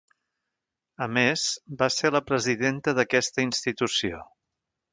A més, va ser la presidenta d'aquesta institució.